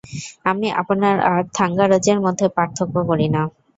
আমি আপনার আর থাঙ্গারাজের মধ্যে পার্থক্য করি না।